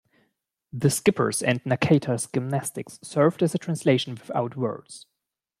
The skipper's and Nakata's gymnastics served as a translation without words.